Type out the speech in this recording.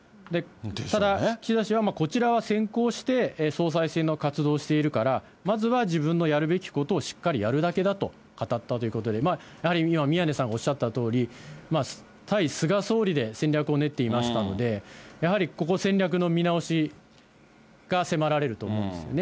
ただ、岸田氏はこちらは先行して総裁選の活動をしているから、まずは自分のやるべきことをしっかりやるだけだと語ったということで、やはり今、宮根さんおっしゃったとおり、対菅総理で戦略を練っていましたので、やはりここ、戦略の見直しが迫られると思うんですよね。